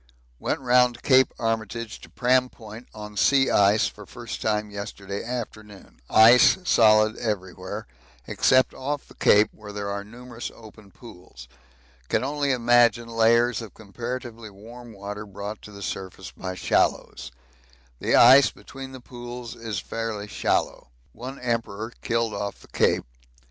Went round Cape Armitage to Pram Point on sea ice for first time yesterday afternoon. Ice solid everywhere, except off the Cape, where there are numerous open pools. Can only imagine layers of comparatively warm water brought to the surface by shallows. The ice between the pools is fairly shallow. One Emperor killed off the Cape.